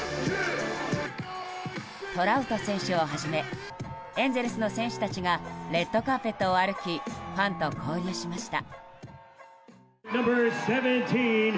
トラウト選手をはじめエンゼルスの選手たちがレッドカーペットを歩きファンと交流しました。